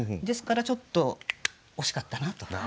ですからちょっと惜しかったなと。